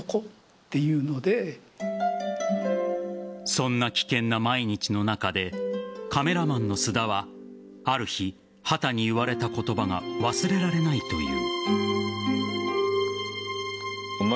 そんな危険な毎日の中でカメラマンの須田はある日、畑に言われた言葉が忘れられないという。